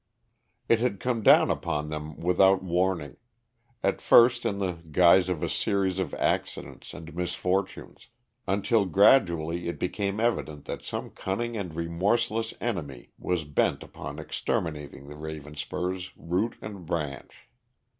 It had come down upon them without warning; at first in the guise of a series of accidents and misfortunes, until gradually it became evident that some cunning and remorseless enemy was bent upon exterminating the Ravenspurs root and branch.